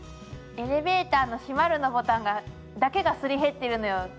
エレベーターの閉まるのボタンだけがすり減ってるのよ。